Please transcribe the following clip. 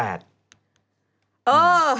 เออ